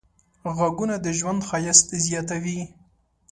غږونه د ژوند ښایست زیاتوي.